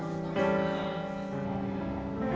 saya kenal sama bunda noviana